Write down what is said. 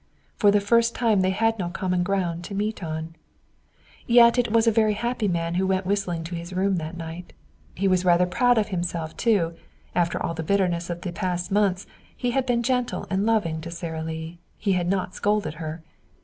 For the first time they had no common ground to meet on. Yet it was a very happy man who went whistling to his room that night. He was rather proud of himself too. After all the bitterness of the past months, he had been gentle and loving to Sara Lee. He had not scolded her.